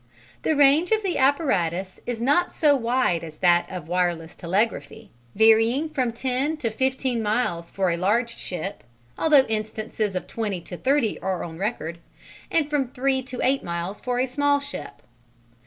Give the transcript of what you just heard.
The range of the apparatus is not so wide as that of wireless telegraphy, varying from 10 to 15 miles for a large ship (although instances of 20 to 30 are on record), and from 3 to 8 miles for a small ship.